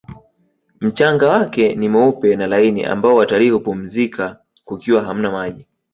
mchanga wake ni mweupe na laini ambao watalii humpumzika kukiwa hamna maji